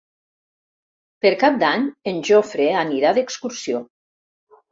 Per Cap d'Any en Jofre anirà d'excursió.